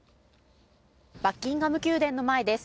バッキンガム宮殿の前です。